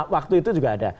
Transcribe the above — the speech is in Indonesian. waktu itu juga ada